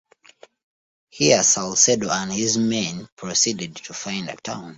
Here Salcedo and his men proceeded to find a town.